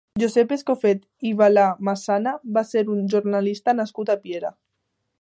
Josep Escofet i Vilamasana va ser un jornalista nascut a Piera.